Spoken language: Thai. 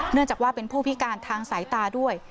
เนื่องจากว่าเป็นผู้พิการทางสายตาด้วย